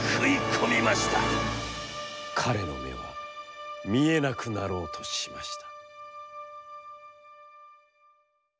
彼の目は見えなくなろうとしました」。